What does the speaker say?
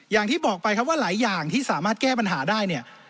อย่างที่บอกไปครับว่าหลายอย่างที่สามารถแก้ปัญหาได้เนี่ย